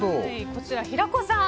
こちら平子さん